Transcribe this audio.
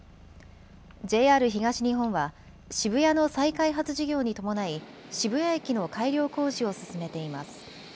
ＪＲ東日本は渋谷の再開発事業に伴い、渋谷駅の改良工事を進めています。